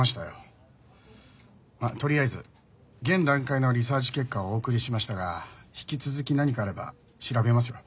まあとりあえず現段階のリサーチ結果をお送りしましたが引き続き何かあれば調べますよ。